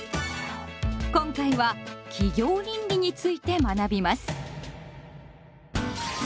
今回は「企業倫理」について学びます。